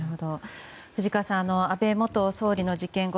藤川さん安倍元総理の事件後